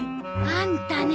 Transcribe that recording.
あんたね。